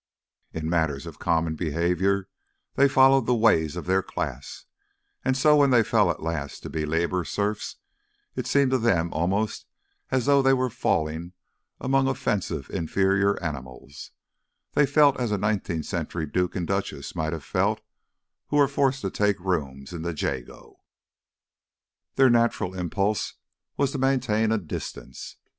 In matters of common behaviour they had followed the ways of their class, and so when they fell at last to be Labour Serfs it seemed to them almost as though they were falling among offensive inferior animals; they felt as a nineteenth century duke and duchess might have felt who were forced to take rooms in the Jago. Their natural impulse was to maintain a "distance."